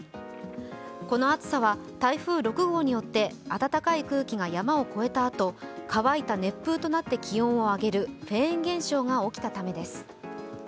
この暑さは台風６号によって暖かい空気が山を越えたあと、乾いた熱風となった気温を上げるフェーン現象が起きたためです。